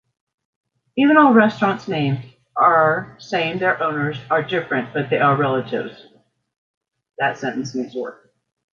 Even all restaurants names are same their owners are different but they are relatives.